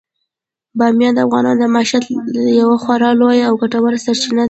بامیان د افغانانو د معیشت یوه خورا لویه او ګټوره سرچینه ده.